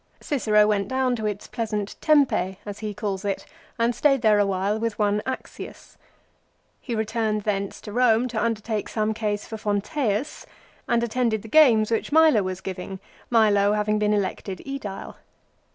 Cicero went down to its pleasant Tempe, as he calls it, and stayed there a while with one Axius. 3 He returned thence to Eome to undertake some case for Fonteius, and attended the games which Milo was giving, Milo having been elected ^Edile.